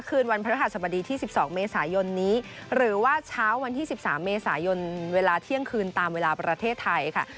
คืนวันพระรหัสบดีที่๑๒เมษายนนี้หรือว่าเช้าวันที่๑๓เมษายนเวลาเที่ยงคืนตามเวลาประเทศไทยค่ะ